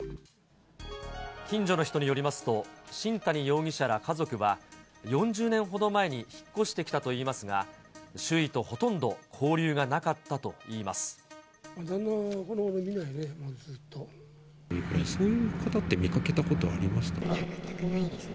近所の人によりますと、新谷容疑者ら家族は、４０年ほど前に引っ越してきたといいますが、周囲とほとんど交流旦那はこのごろ見ないね、息子の方って見かけたことあ全くないですね。